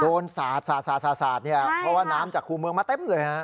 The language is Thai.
โดนสาดสาดสาดสาดสาดเนี้ยใช่ค่ะเพราะว่าน้ำจากครูเมืองมาเต็มเลยฮะ